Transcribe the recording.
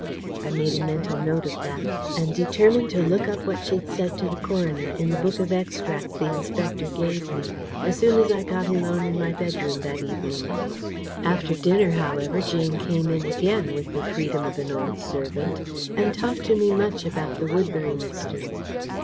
I made a mental note of that, and determined to look up what she'd said to the coroner, in the book of extracts the Inspector gave me, as soon as I got alone in my bedroom that evening. After dinner, however, Jane came in again, with the freedom of an old servant, and talked to me much about the Woodbury Mystery.